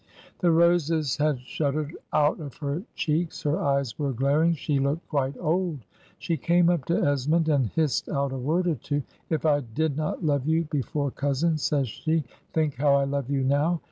The roses had shuddered out of her cheeks; her eyes were glaring ; she looked quite old. She came up to Esmond, and hissed out a word or two. 'If I did not love you before, cousin/ says she, 'think how I love you now.'